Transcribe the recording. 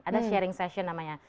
ada sharing session namanya